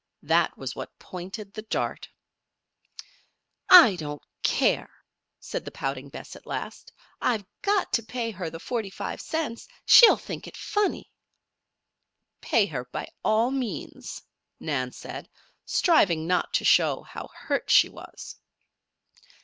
That was what pointed the dart. "I don't care!" said the pouting Bess, at last. "I've got to pay her the forty five cents. She'll think it funny." "Pay her by all means," Nan said, striving not to show how hurt she was.